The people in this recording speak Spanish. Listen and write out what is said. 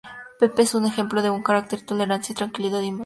Pepe es un ejemplo de buen carácter, tolerancia, tranquilidad y humanidad.